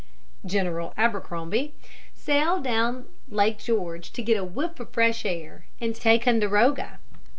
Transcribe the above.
General Abercrombie, sailed down Lake George to get a whiff of fresh air and take Ticonderoga.